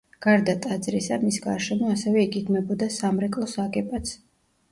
გარდა ტაძრისა მის გარშემო ასევე იგეგმებოდა სამრეკლოს აგებაც.